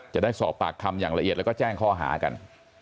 จะได้สอบปากคำอย่างละเอียดแล้วก็แจ้งข้อหากัน